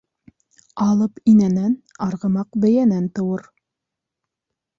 Алып инәнән, арғымаҡ бейәнән тыуыр.